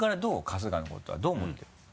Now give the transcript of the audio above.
春日のことはどう思ってるの？